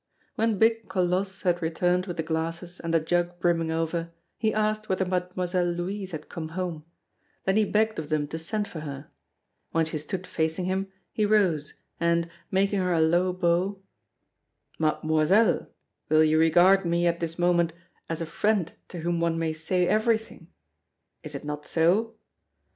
When big Colosse had returned with the glasses and the jug brimming over, he asked whether Mademoiselle Louise had come home; then he begged of them to send for her. When she stood facing him, he rose, and, making her a low bow: "Mademoiselle, will you regard me at this moment as a friend to whom one may say everything? Is it not so?